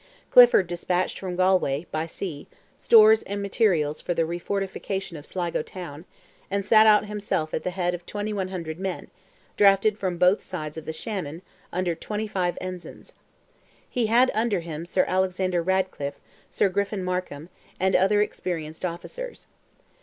Clifford despatched from Galway, by sea, stores and materials for the refortification of Sligo town, and set out himself at the head of 2,100 men, drafted from both sides of the Shannon, under twenty five ensigns. He had under him Sir Alexander Radcliffe, Sir Griffin Markham, and other experienced officers.